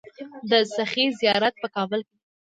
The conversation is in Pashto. د سخي زیارت په کابل کې دی